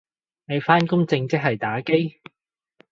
你返工正職係打機？